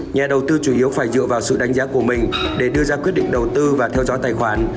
nhà đầu tư chủ yếu phải dựa vào sự đánh giá của mình để đưa ra quyết định đầu tư và theo dõi tài khoản